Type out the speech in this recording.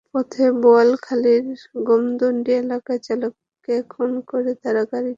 পথে বোয়ালখালীর গোমদণ্ডী এলাকায় চালককে খুন করে তাঁরা গাড়িটি নিয়ে চলে যান।